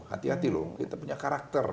hati hati loh kita punya karakter